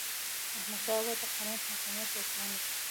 احمدشاه بابا د قانون حاکمیت ته ژمن و.